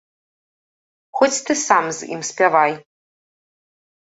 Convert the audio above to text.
Хоць ты сам з ім спявай!